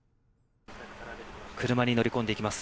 車に乗り込んでいきます。